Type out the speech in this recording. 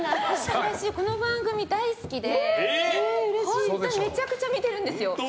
私この番組大好きでめちゃくちゃ見てるんですよ。